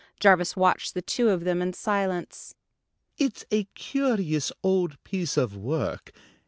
Jarvis watched the two of them in silence. "It's a curious old piece of work.